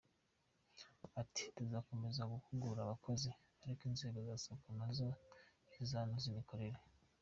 Ati: “Tuzakomeza guhugura abakozi, ariko inzego za Sacco na zo zizanoze imikorere”.